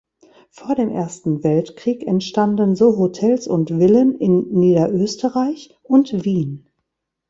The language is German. Vor dem Ersten Weltkrieg entstanden so Hotels und Villen in Niederösterreich und Wien.